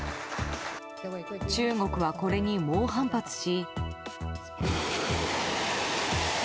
中国は、これに猛反発し。